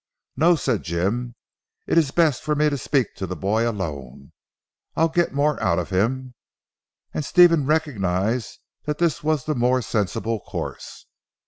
"No," said Jim, "it is best for me to speak to the boy alone, I'll get more out of him." And Stephen recognised that this was the more sensible course.